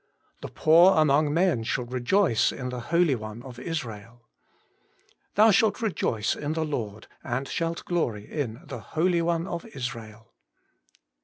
' The poor among men shall rejoice in the Holy One of Israel' ' Thou shalt rejoice in the Lord, and shalt glory in the Holy One of Israel.'